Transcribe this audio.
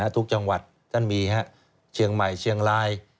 ทุกจังหวัดท่านมีเชียงใหม่เชียงราย